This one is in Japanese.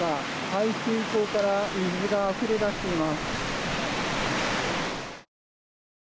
排水溝から水があふれだしています。